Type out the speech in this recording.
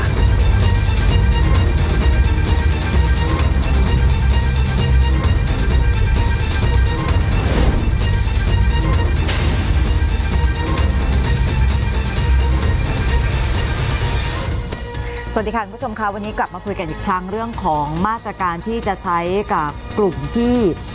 สวัสดีค่ะคุณผู้ชมค่ะวันนี้กลับมาคุยกันอีกครั้งเรื่องของมาตรการที่จะใช้กับกลุ่มที่